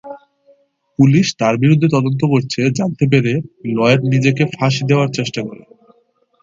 Police তার বিরুদ্ধে তদন্ত করছে জানতে পেরে লয়েড নিজেকে ফাঁসি দেওয়ার চেষ্টা করে।